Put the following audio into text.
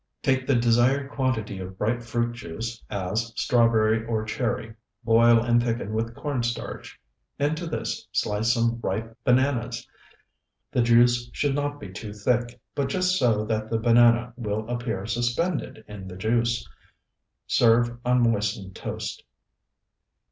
2 Take the desired quantity of bright fruit juice, as strawberry or cherry. Boil and thicken with corn starch. Into this slice some ripe bananas. The juice should not be too thick, but just so that the banana will appear suspended in the juice. Serve on moistened toast.